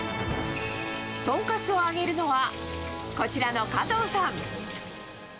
トンカツを揚げるのは、こちらの加藤さん。